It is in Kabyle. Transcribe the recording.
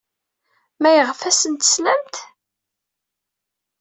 Maɣef ay asent-teslamt?